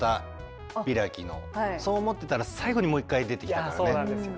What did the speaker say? そう思ってたら最後にもう一回出てきたからね。